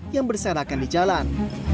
yang berserakan di jalan